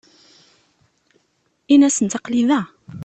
Init-asent aql-i da.